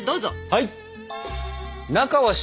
はい！